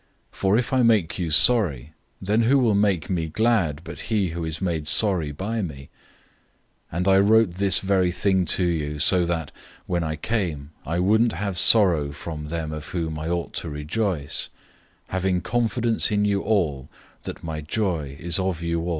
002:002 For if I make you sorry, then who will make me glad but he who is made sorry by me? 002:003 And I wrote this very thing to you, so that, when I came, I wouldn't have sorrow from them of whom I ought to rejoice; having confidence in you all, that my joy would be shared by all of you.